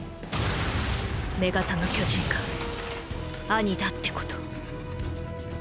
女型の巨人がアニだってこと。